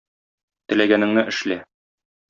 Теләгәнеңне эшлә.